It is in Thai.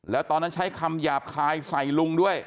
แล้วตอนนั้นใช้คำหยาบคายใส่ลุงด้วย